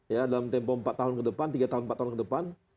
ya dalam tempo empat tahun ke depan tiga tahun empat tahun ke depan